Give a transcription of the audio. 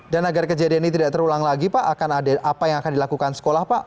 dan agar kejadian ini tidak terulang lagi pak akan ada apa yang akan dilakukan sekolah pak